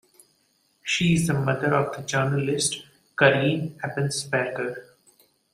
She is the mother of the journalist Karin Ebensperger.